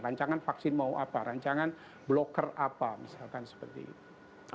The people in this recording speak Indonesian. rancangan vaksin mau apa rancangan bloker apa misalkan seperti itu